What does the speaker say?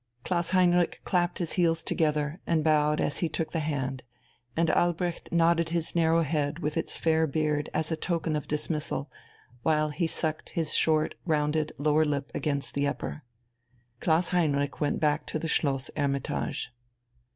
Klaus Heinrich clapped his heels together and bowed as he took the hand, and Albrecht nodded his narrow head with its fair beard as a token of dismissal, while he sucked his short, rounded lower lip against the upper. Klaus Heinrich went back to the Schloss "Hermitage."